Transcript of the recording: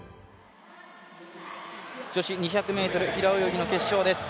女子２００ｍ平泳ぎの決勝です。